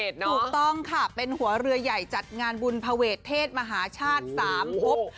ถูกต้องค่ะเป็นหัวเรือใหญ่จัดงานบุญภเวทเทศมหาชาติ๓พบ